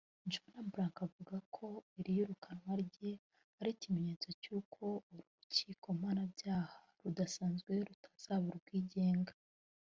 Juan Branco aravuga ko iri yirukanwa rye ari ikimenyetso cy’uko uru rukiko mpanabyaha rudasanzwe rutazaba rwigenga